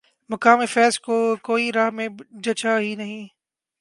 مقام فیضؔ کوئی راہ میں جچا ہی نہیں